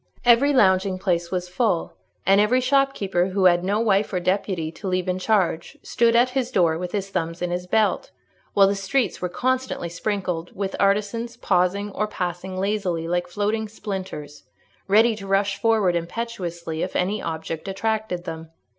Every lounging place was full, and every shopkeeper who had no wife or deputy to leave in charge, stood at his door with his thumbs in his belt; while the streets were constantly sprinkled with artisans pausing or passing lazily like floating splinters, ready to rush forward impetuously if any object attracted them.